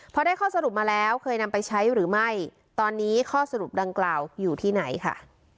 พอได้ข้อสรุปมาแล้วเคยนำไปใช้หรือไม่ตอนนี้ข้อสรุปดังกล่าวอยู่ที่ไหนค่ะ